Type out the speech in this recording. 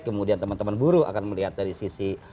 kemudian teman teman buruh akan melihat dari sisi